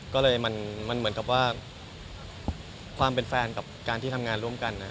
ก็เลยมันเหมือนกับว่าความเป็นแฟนกับการที่ทำงานร่วมกัน